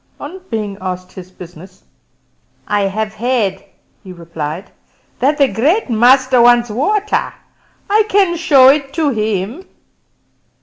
On being asked his business, "I have heard," he replied, "that the Great Master wants water; I can show it to him."